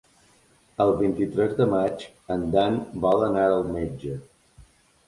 El vint-i-tres de maig en Dan vol anar al metge.